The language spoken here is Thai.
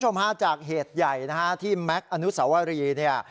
คุณผู้ชมฮะจากเหตุใหญ่นะฮะที่แม็กซ์อนุสวรีเนี่ย